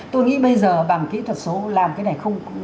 tôi nghĩ bây giờ bằng kỹ thuật số làm cái này không